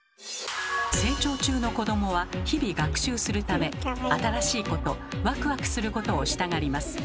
成長中の子どもは日々学習するため新しいことワクワクすることをしたがります。